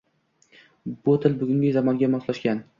bu til bugungi zamonaga moslashgan